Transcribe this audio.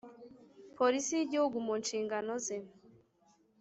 Polisi y Igihugu mu nshingano ze